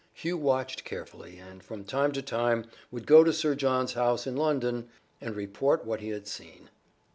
Hugh watched carefully, and from time to time would go to Sir John's house in London and report what he had seen.